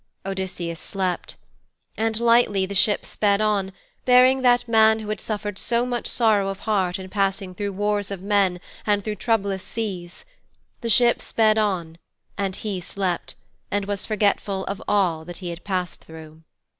Odysseus slept. And lightly the ship sped on, bearing that man who had suffered so much sorrow of heart in passing through wars of men and through troublous seas the ship sped on, and he slept, and was forgetful of all he had passed through.